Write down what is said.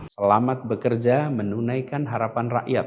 selamat bekerja menunaikan harapan rakyat